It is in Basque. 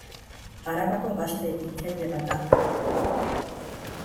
Arabako gazte ekintzaile bat da.